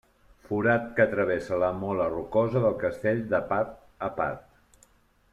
Forat que travessa la mola rocosa del castell de part a part.